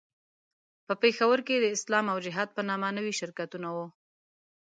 په پېښور کې د اسلام او جهاد په نامه نوي شرکتونه وو.